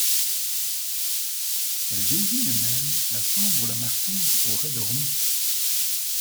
Elle désigne même la chambre où la marquise aurait dormi.